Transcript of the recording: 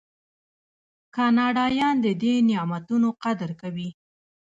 کاناډایان د دې نعمتونو قدر کوي.